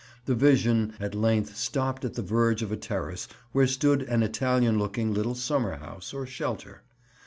The vision, at length, stopped at the verge of a terrace where stood an Italian looking little summer house, or shelter.